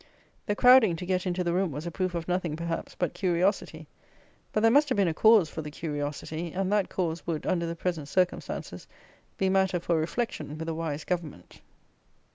The crowding to get into the room was a proof of nothing, perhaps, but curiosity; but there must have been a cause for the curiosity, and that cause would, under the present circumstances, be matter for reflection with a wise government.